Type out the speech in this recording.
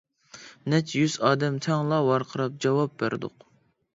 نەچچە يۈز ئادەم تەڭلا ۋارقىراپ جاۋاب بەردۇق.